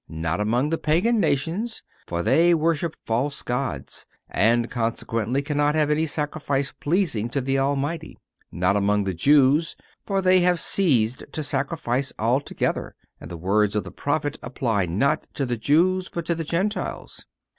Not among the Pagan nations; for they worship false gods, and consequently cannot have any sacrifice pleasing to the Almighty. Not among the Jews; for they have ceased to sacrifice altogether, and the words of the prophet apply not to the Jews, but to the Gentiles.